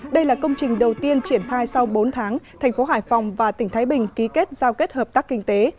đây là công trình đầu tiên triển phai sau bốn tháng tp hải phòng và tp thái bình ký kết giao kết hợp tác kinh tế